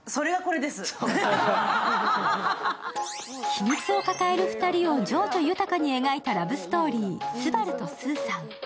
秘密を抱える２人を情緒豊かに描いたラブストーリー、「昴とスーさん」。